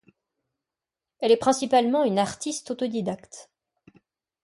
Elle est principalement une artiste autodidacte.